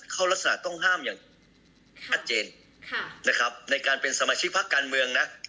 เขารักษณะต้องห้ามอย่างทัดเจนในการเป็นสมาชิกภักดิ์การเมืองนะ